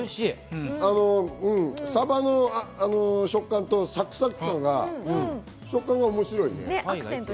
サバの食感とサクサク感が、食感が面白いね。